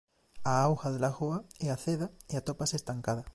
A auga da lagoa é aceda e atópase estancada.